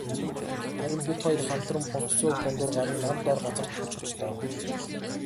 Харин бид хоёр хамтран бут сөөг дундуур гаран нам доор газарт хүрч очлоо.